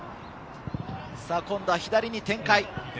今度は左に展開。